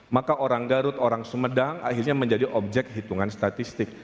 maka orang garut orang sumedang akhirnya menjadi objek hitungan statistik